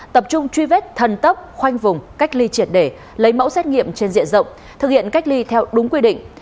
tập trung truy vết thần tốc khoanh vùng cách ly triệt để lấy mẫu xét nghiệm trên diện rộng thực hiện cách ly theo đúng quy định